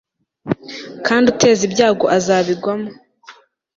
kandi uteza ibyago azabigwamo